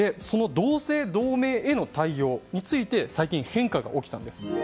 その同姓同名への対応について最近、変化が起きたんです。